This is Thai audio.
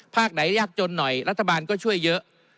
ไหนยากจนหน่อยรัฐบาลก็ช่วยเยอะ